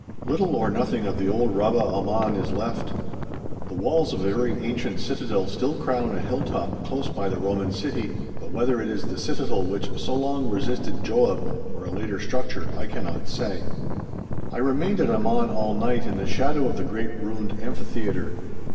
Little or nothing of the old Rabbah Ammon is left. The walls of a very ancient citadel still crown a hill top close by the Roman city, but whether it is the citadel which so long resisted Joab, or a later structure, I cannot say. I remained at Amman all night, in the shadow of the great ruined amphitheatre.